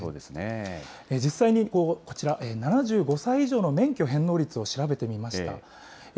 実際にこちら、７５歳以上の免許返納率を調べてみました。